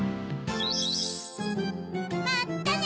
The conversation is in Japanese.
まったね！